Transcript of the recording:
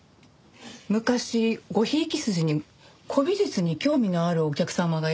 昔ごひいき筋に古美術に興味のあるお客様がいらっしゃいましてね。